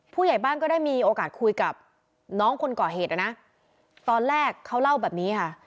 ผู้ใหญ่บ้านก็ได้มีโอกาสคุยกับน้องคนก่อเหตุนะนะตอนแรกเขาเล่าแบบนี้ค่ะ